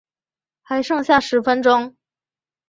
还剩下十分钟